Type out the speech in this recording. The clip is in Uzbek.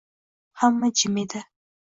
Hamma jim edi.